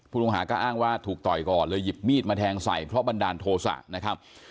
ผู้ต้องหาก็อ้างว่าถูกต่อยก่อนเลยหยิบมีดมาแทงใส่เพราะบันดาลโทษะนะครับ